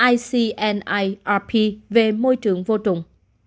icnirp về môi trường vô trùng